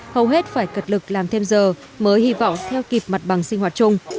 hầu hết phải cật lực làm thêm giờ mới hy vọng theo kịp mặt bằng sinh hoạt chung